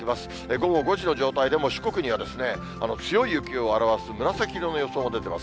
午後５時の状態でも四国には強い雪を表す紫色の予想も出てます。